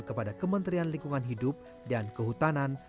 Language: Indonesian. kepada kementerian lingkungan hidup dan kehutanan